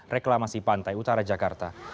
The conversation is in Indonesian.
reklamasi pantai utara jakarta